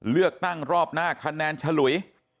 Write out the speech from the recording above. เลือกตั้งรอบหน้าคะแนนฉลุย